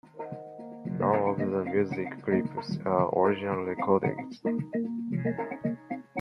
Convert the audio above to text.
None of the music clips are original recordings.